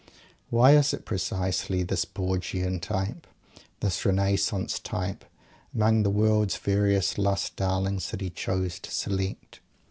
Why is it precisely this Borgian type, this Renaissance type, among the world's various Lust Darlings that he chooses to select?